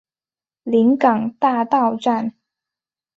临港大道站